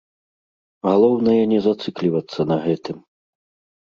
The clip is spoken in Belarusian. Галоўнае не зацыклівацца на гэтым.